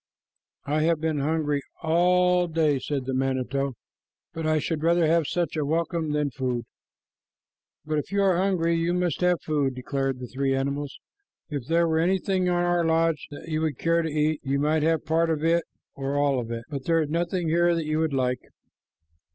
"I have been hungry all day," said the manito, "but I should rather have such a welcome than food." "But if you are hungry, you must have food," declared the three animals. "If there were anything in our lodge that you would care to eat, you might have part of it or all of it, but there is nothing here that you would like."